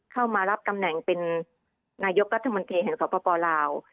เข้ามารับตำแหน่งเป็นนายกรัฐมนตรีแห่งสปลาว